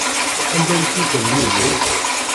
Anda ay tufam Yidir?